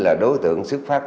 là đối tượng xuất phát